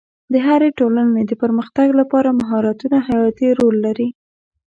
د هرې ټولنې د پرمختګ لپاره مهارتونه حیاتي رول لري.